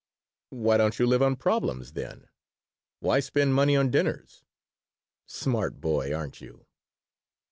"Why don't you live on problems, then? Why spend money on dinners?" "Smart boy, aren't you?"